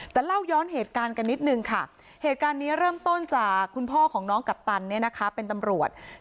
แต่เล่าย้อนเหตุการณ์กันนิดนึงค่ะเหตุการณ์นี้เริ่มต้นจากคุณพ่อของน้องกัปตันเนี่ยนะคะเป็นตำรวจ